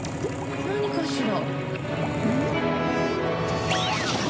何かしら？